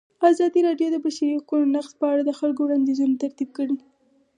ازادي راډیو د د بشري حقونو نقض په اړه د خلکو وړاندیزونه ترتیب کړي.